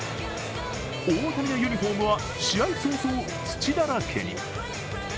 大谷のユニフォームは試合早々、土だらけに。